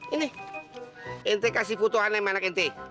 ini ente kasih foto ane sama anak ente